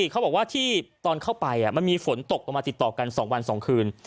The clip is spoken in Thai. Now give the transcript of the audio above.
เขาบอกว่าที่ตอนเข้าไปมันมีฝนตกลงมาติดต่อกัน๒วัน๒คืน